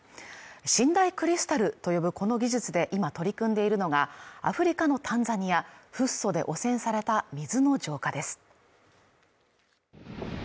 信大クリスタルと呼ぶこの技術で今、取り組んでいるのがアフリカのタンザニアフッ素で汚染された水の浄化です。